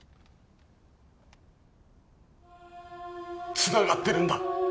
つながってるんだ。